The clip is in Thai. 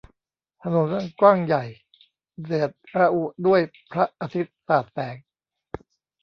ถนนอันกว้างใหญ่ เดือดระอุด้วยพระอาทิตย์สาดแสง